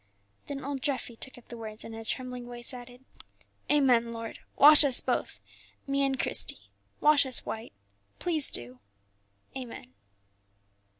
Then old Treffy took up the words, and in a trembling voice added, "Amen, Lord; wash us both, me and Christie, wash us white. Please do. Amen."